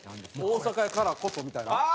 大阪やからこそみたいな？